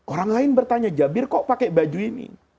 orang lain bertanya jabir kok pakai baju ini